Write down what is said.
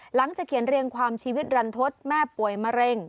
เขียนเรียงความชีวิตรันทศแม่ป่วยมะเร็ง